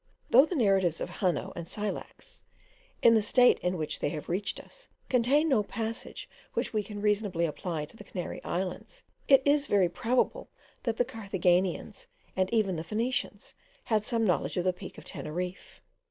Though the narratives of Hanno and Scylax, in the state in which they have reached us, contain no passage which we can reasonably apply to the Canary Islands, it is very probable that the Carthaginians, and even the Phoenicians, had some knowledge of the Peak of Teneriffe.